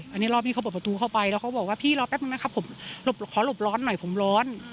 อันนี้รอบนี้เขาเปิดประตูเข้าไปแล้วเขาบอกว่าพี่รอแป๊บนึงนะครับผมขอหลบร้อนหน่อยผมร้อน